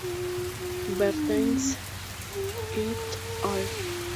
Bernstein "et al.